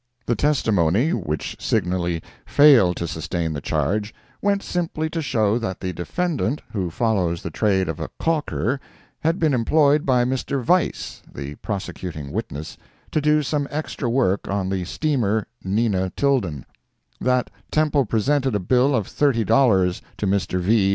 The testimony, which signally failed to sustain the charge, went simply to show that the defendant, who follows the trade of a caulker, had been employed by Mr. Vice (the prosecuting witness) to do some extra work on the steamer Nina Tilden; that Temple presented a bill of thirty dollars to Mr. V.